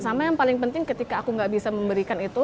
sama yang paling penting ketika aku gak bisa memberikan itu